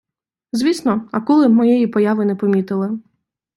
Звісно, акули моєї появи не помітили.